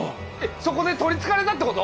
そこで取りつかれたってこと？